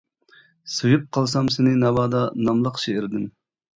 «سۆيۈپ قالسام سېنى ناۋادا» ناملىق شېئىردىن.